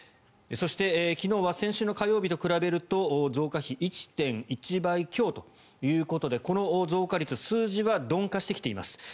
そして、昨日は先週の火曜日と比べると増加比、１．１倍強ということでこの増加率数字は鈍化してきています。